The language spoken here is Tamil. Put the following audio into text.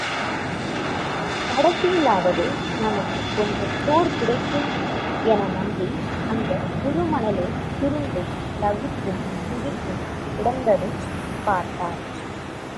கடைசிலாவது தமக்குக் கொஞ்சம் சோறு கிடைக்கும் என நம்பி அந்தச் சுடுமணலிற் சுருண்டும், தவித்தும், துடித்தும், கிடந்தும், பார்த்தார்.